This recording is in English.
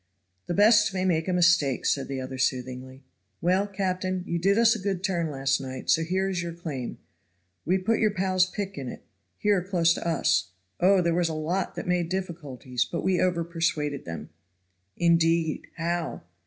"The best may make a mistake," said the other soothingly. "Well, captain, you did us a good turn last night, so here is your claim. We put your pal's pick in it here close to us. Oh! there was a lot that made difficulties, but we over persuaded them." "Indeed! How?"